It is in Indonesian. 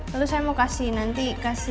lalu saya mau kasih nanti kasih